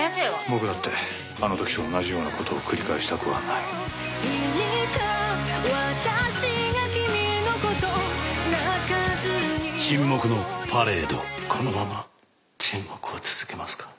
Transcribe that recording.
「僕だってあのときと同じようなことを繰り返したくはない」「このまま沈黙を続けますか？」